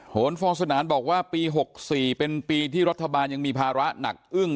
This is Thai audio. นฟองสนานบอกว่าปี๖๔เป็นปีที่รัฐบาลยังมีภาระหนักอึ้ง